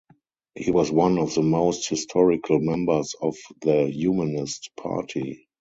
He was one of the most historical members of the Humanist Party.